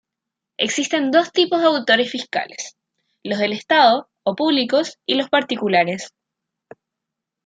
Existen dos tipos de auditores fiscales: los del Estado, o públicos, y los particulares.